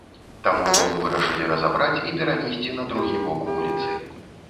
Таму дом вырашылі разабраць і перанесці на другі бок вуліцы.